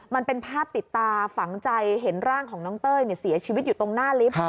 มันเป็นภาพติดตาฝังใจเห็นร่างของน้องเต้ยเสียชีวิตอยู่ตรงหน้าลิฟต์